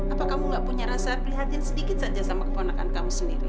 apa kamu gak punya rasa prihatin sedikit saja sama keponakan kamu sendiri